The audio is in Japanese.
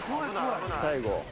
最後。